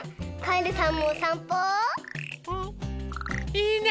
いいね。